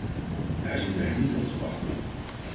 Daar zitten wij niet op te wachten.